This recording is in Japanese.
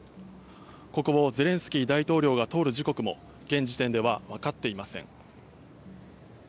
ここをゼレンスキー大統領が通る時刻も現時点ではわかっていません。